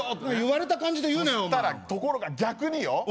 言われた感じで言うなよそしたらところが逆によ？